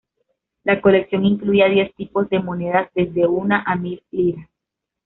La colección incluía diez tipos de monedas, desde una a mil liras.